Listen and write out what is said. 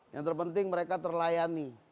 yang terpenting mereka terlayani